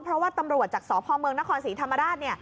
เพราะว่าตำรวจจากสพเมืองนครศรีธรรมราช